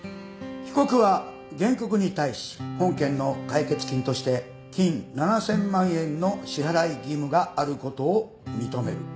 被告は原告に対し本件の解決金として金７，０００万円の支払い義務があることを認める。